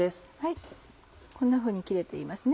こんなふうに切れています。